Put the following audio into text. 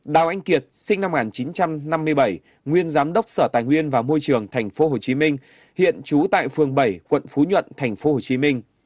đào anh kiệt sinh năm một nghìn chín trăm năm mươi bảy nguyên giám đốc sở tài nguyên và môi trường tp hcm hiện trú tại phường bảy quận phú nhuận tp hcm